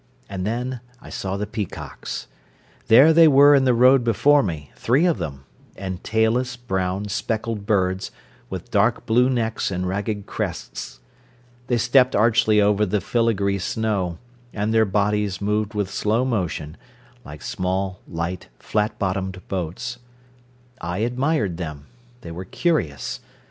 And then I saw the peacocks. There they were in the road before me, three of them, and tailless, brown, speckled birds, with dark blue necks and ragged crests. They stepped archly over the filigree snow, and their bodies moved with slow motion, like small, light, flat bottomed boats. I admired them, they were curious.